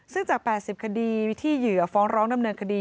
ซึ่งจาก๘๐คดีที่เหยื่อฟ้องร้องดำเนินคดี